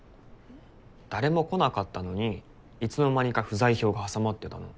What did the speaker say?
誰も来なかったのにいつの間にか不在票が挟まってたの。